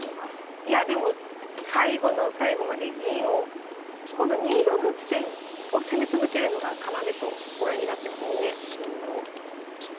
いやでも最後の最後まで銀を今度２四の地点を攻め続けるのが要とご覧になってますね。